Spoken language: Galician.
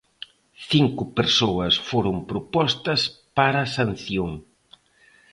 Cinco persoas foron propostas para sanción.